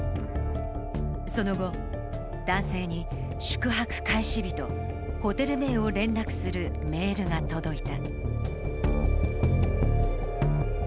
その後、男性に宿泊開始日とホテル名を連絡するメールが届いた。